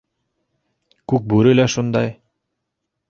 Күкбүре лә шундай!